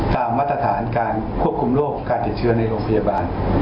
มาตรฐานการควบคุมโรคการติดเชื้อในโรงพยาบาล